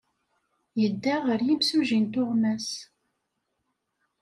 Yedda ɣer yimsujji n tuɣmas.